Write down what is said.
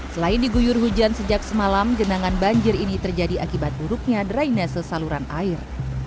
selain diguyur hujan sejak semalam genangan banjir ini terjadi akibat buruknya drainase saluran air